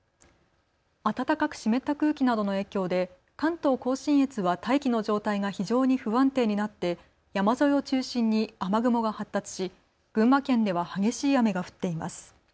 暖かく湿った空気などの影響で関東甲信越は大気の状態が非常に不安定になって山沿いを中心に雨雲が発達し群馬県では激しい雨が降っています。